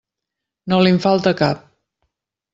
No li'n falta cap.